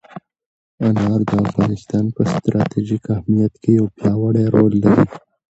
انار د افغانستان په ستراتیژیک اهمیت کې یو پیاوړی رول لري.